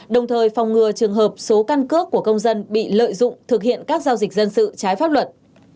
đồng thời phòng ngừa trường hợp số căn cước của công dân bị lợi dụng thực hiện các giao dịch dân sự trái pháp luật